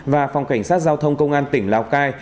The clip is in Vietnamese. và phòng cảnh sát giao thông công an tỉnh lào cai